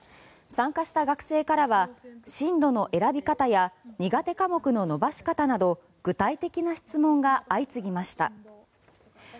参加した学生からは進路の選び方や苦手科目の伸ばし方など具体的な質問が相次ぎました。